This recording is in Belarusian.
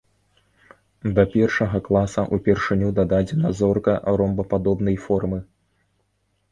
Да першага класа ўпершыню дададзена зорка ромбападобнай формы.